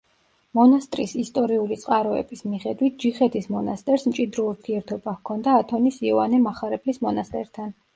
მონასტრის ისტორიული წყაროების მიხედვით ჯიხეთის მონასტერს მჭიდრო ურთიერთობა ჰქონდა ათონის იოანე მახარებლის მონასტერთან.